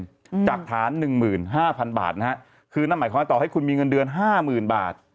อืมจากฐานหนึ่งหมื่นห้าพันบาทนะฮะคือนั่นหมายความต่อให้คุณมีเงินเดือนห้าหมื่นบาท